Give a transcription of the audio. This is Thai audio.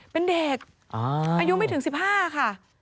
เป็นเด็กอายุไม่ถึง๑๕ค่ะ